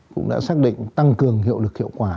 cũng đã xác định tăng cường hiệu lực hiệu quả